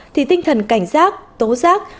thì tinh thần cảnh giác tố giác